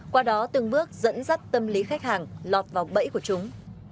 qua đó từng bước dẫn dắt tâm lý khách hàng lọt vào bẫy của chúng